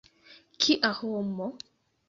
Kia homo!